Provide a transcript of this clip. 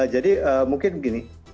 jadi mungkin begini